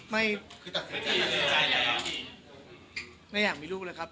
ไม่อยากมีลูกเลยครับ